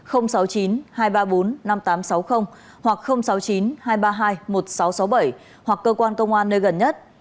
hoặc sáu mươi chín hai trăm ba mươi hai một nghìn sáu trăm sáu mươi bảy hoặc cơ quan công an nơi gần nhất